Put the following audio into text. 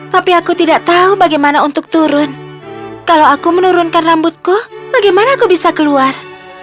tapi aku tidak tahu bagaimana untuk turun kalau aku menurunkan rambutku bagaimana aku bisa keluar